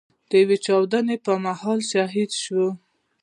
د يوې چاودنې پر مهال شهيد شو.